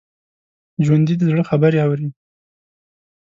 ژوندي د زړه خبرې اوري